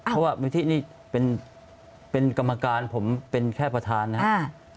เพราะว่าวิธีนี่เป็นกรรมการผมเป็นแค่ประธานนะครับ